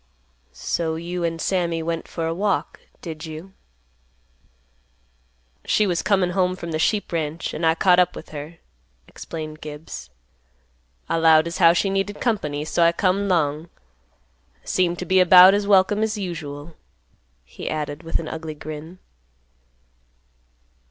"So you and Sammy went for a walk, did you?" "She was comin' home from th' sheep ranch, an' I caught up with her," explained Gibbs. "I 'lowed as how she needed company, so I come 'long. I seemed t' be 'bout as welcome as usual," he added with an ugly grin.